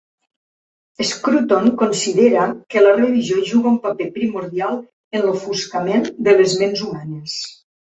Scruton considera que la religió juga un paper primordial en l'"ofuscament" de les ments humanes.